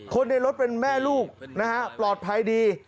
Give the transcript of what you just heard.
คนในรถเป็นแม่ลูกนะฮะปลอดภัยดี